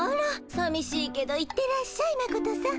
さみしいけど行ってらっしゃいマコトさん。